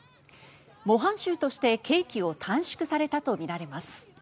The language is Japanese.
模範囚として刑期を短縮されたとみられます。